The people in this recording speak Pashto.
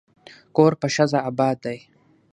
کور په ښځه اباد دی.